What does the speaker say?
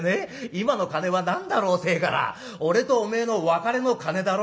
『今の鐘は何だろう』てえから『俺とお前の別れの鐘だろう』」